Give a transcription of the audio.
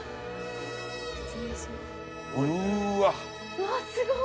うわっすごい！